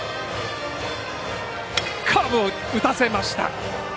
カーブを打たせました。